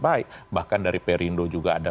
baik bahkan dari perindo juga ada